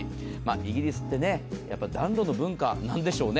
イギリスって暖炉の文化なんでしょうね。